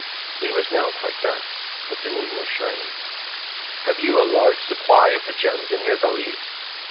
It was now quite dark, but the moon was shining. "Have you a large supply of the ^ gems' in your va lise?"